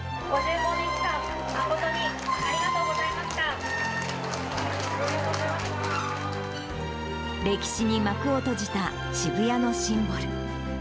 ５５年間誠にありがとうござ歴史に幕を閉じた渋谷のシンボル。